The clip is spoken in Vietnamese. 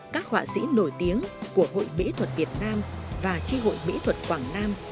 các họa sĩ nổi tiếng của hội mỹ thuật việt nam và tri hội mỹ thuật quảng nam